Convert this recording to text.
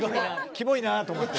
キモいなと思って。